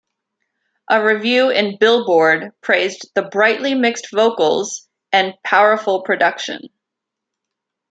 A review in "Billboard" praised the "brightly mixed vocals" and "powerful production".